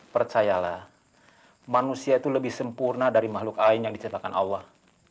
percayalah manusia itu lebih sempurna dari makhluk ain yang diceritakan allah